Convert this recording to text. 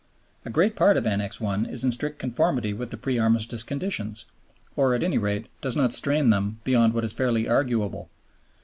A great part of Annex I. is in strict conformity with the pre Armistice conditions, or, at any rate, does not strain them beyond what is fairly arguable.